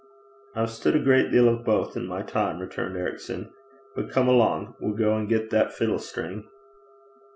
'I've stood a great deal of both in my time,' returned Ericson; 'but come along. We'll go and get that fiddle string.'